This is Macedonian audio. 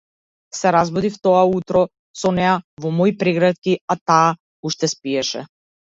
Се разбудив тоа утро со неа во мои прегратки, а таа уште спиеше.